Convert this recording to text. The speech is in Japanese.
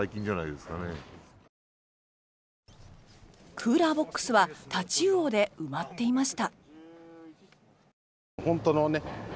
クーラーボックスはタチウオで埋まっていました。